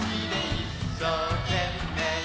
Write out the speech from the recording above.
「いっしょうけんめい